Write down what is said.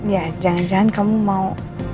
ya jangan jangan kamu mau